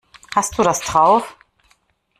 Hast du das drauf?